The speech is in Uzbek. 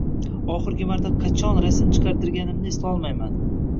Oxirgi marta qachon rasm chiqartirganimni eslolmayman.